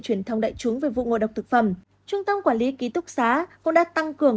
truyền thông đại chúng về vụ ngộ độc thực phẩm trung tâm quản lý ký túc xá cũng đã tăng cường